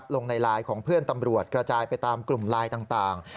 ลงในไลน์ของเพื่อนตำรวจกระจายไปตามกลุ่มไลน์ต่าง